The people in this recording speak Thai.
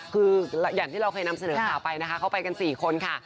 คืออย่างที่เราเคยนำเสนอข่าวไปนะคะเขาไปกัน๔คนค่ะ